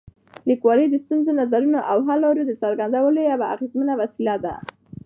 لیکوالی د ستونزو، نظرونو او حل لارو د څرګندولو یوه اغېزمنه وسیله ده.